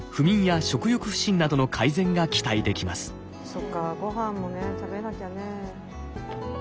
そっかごはんもね食べなきゃね。